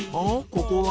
ここは？